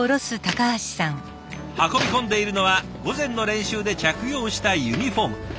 運び込んでいるのは午前の練習で着用したユニフォーム。